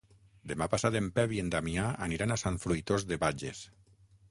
Demà passat en Pep i en Damià aniran a Sant Fruitós de Bages.